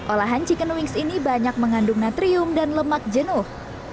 olahan chicken wings ini banyak mengandung natrium dan lemak jenuh